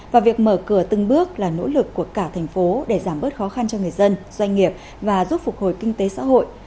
và việc mở cửa từng bước là nỗ lực của cả thành phố để giảm bớt khó khăn cho người dân doanh nghiệp và giúp phục hồi kinh tế xã hội